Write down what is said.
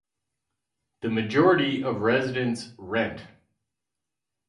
The majority of residents rent.